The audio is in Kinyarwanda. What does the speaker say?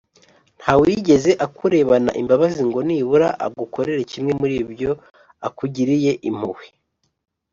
Nta wigeze akurebana imbabazi ngo nibura agukorere kimwe muri ibyo akugiriye impuhwe